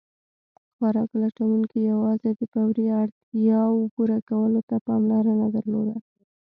خوراک لټونکي یواځې د فوري اړتیاوو پوره کولو ته پاملرنه درلوده.